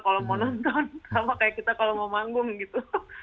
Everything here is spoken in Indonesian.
kalau mau nonton sama kayak kita kalau mau manggung gitu